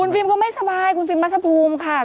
ฟิล์มก็ไม่สบายคุณฟิล์มรัฐภูมิค่ะ